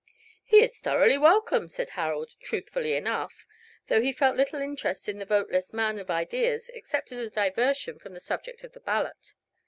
"He is thoroughly welcome," said Harold, truthfully enough, though he felt little interest in the voteless man of ideas except as a diversion from the subject of the ballot.